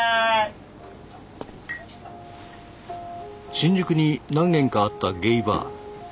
新宿に何軒かあったゲイバー。